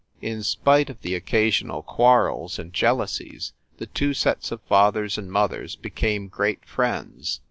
In spite of the occasional quarrels and jealousies, the two sets of fathers and mothers be came great friends.